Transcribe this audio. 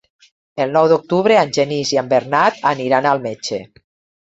El nou d'octubre en Genís i en Bernat aniran al metge.